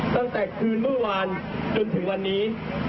ตั้งแต่คืนเมื่อวานจนถึงวันนี้